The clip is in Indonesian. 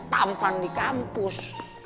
tampan di kampus